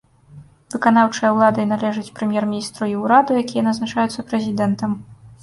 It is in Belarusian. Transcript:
Выканаўчая ўлада належыць прэм'ер-міністру і ўраду, якія назначаюцца прэзідэнтам.